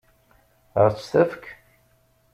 Ad ɣ-t-tefk?